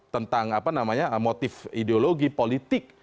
tentang motif ideologi politik